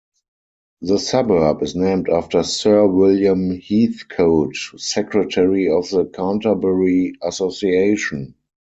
The suburb is named after Sir William Heathcote, secretary of the Canterbury Association.